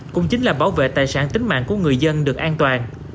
cũng chính là bảo vệ tài sản tính mạng của người dân được an toàn